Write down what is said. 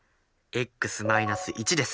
ｘ−１です。